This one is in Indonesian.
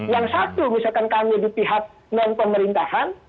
yang satu misalkan kami di pihak non pemerintahan